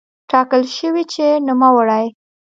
ټاکل شوې چې نوموړی